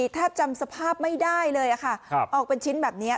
ถ้าจำสภาพไม่ได้เลยออกเป็นชิ้นแบบเนี้ย